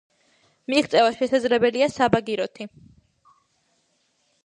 მიღწევა შესაძლებელია საბაგიროთი.